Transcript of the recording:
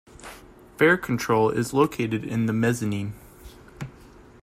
Fare control is located in the mezzanine.